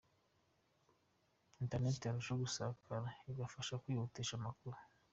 Internet irarushaho gusakara igafasha kwihutisha amakuru.